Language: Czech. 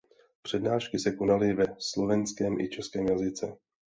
Přednášky se konaly ve slovenském i českém jazyce.